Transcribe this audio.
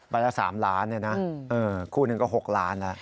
บรรยา๓ล้านเลยนะคู่หนึ่งก็๖ล้านล่ะ